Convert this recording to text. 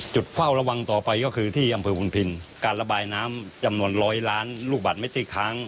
เฝ้าระวังต่อไปก็คือที่อำเภอพุนพินการระบายน้ำจำนวนร้อยล้านลูกบาทเมตรตี้ค้าง